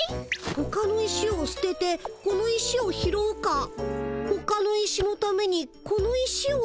ほかの石をすててこの石を拾うかほかの石のためにこの石をすてるか。